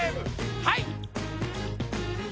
はい！